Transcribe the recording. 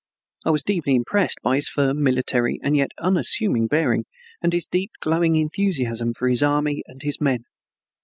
I was deeply impressed by his firm military and yet unassuming bearing and his deep glowing enthusiasm for his army and his men.